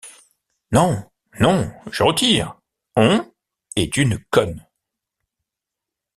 Non, non : je retire. « On » est une conne.